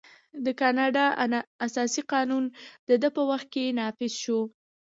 د کاناډا اساسي قانون د ده په وخت کې نافذ شو.